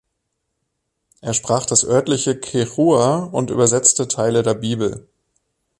Er sprach das örtliche Quechua und übersetzte Teile der Bibel.